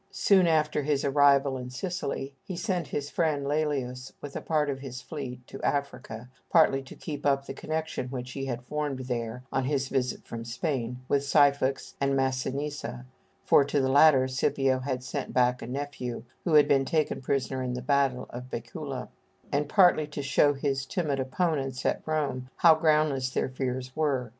Soon after his arrival in Sicily he sent his friend Lælius with a part of his fleet to Africa, partly to keep up the connection which he had formed there, on his visit from Spain, with Syphax and Massinissa (for to the latter Scipio had sent back a nephew who had been taken prisoner in the battle of Bæcula), and partly to show to his timid opponents at Rome how groundless their fears were.